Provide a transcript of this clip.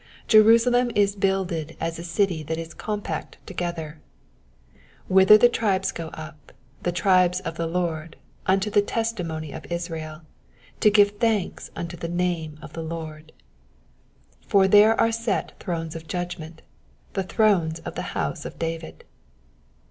3 Jerusalem is builded as a city that is compact together : 4 Whither the tribes go up, the tribes of the Lord, unto the testimony of Israel, to give thanks unto the name of the Lord. 5 For there are set thrones of judgment, the thrones of the house of David.